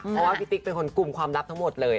เพราะว่าพี่ติ๊กเป็นคนกลุ่มความลับทั้งหมดเลย